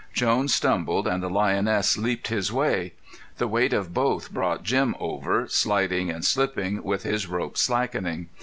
Jones stumbled and the lioness leaped his way. The weight of both brought Jim over, sliding and slipping, with his rope slackening.